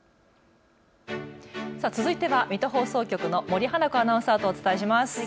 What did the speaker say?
続いては水戸放送局の森花子アナウンサーとお伝えします。